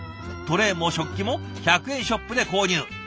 トレーも食器も１００円ショップで購入。